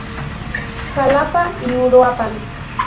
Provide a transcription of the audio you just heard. Xalapa y Uruapan.